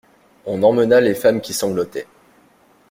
On emmena les femmes qui sanglotaient.